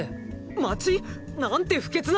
街⁉なんて不潔な！